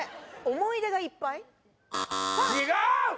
・「思い出がいっぱい」？